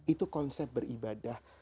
itu konsep beribadah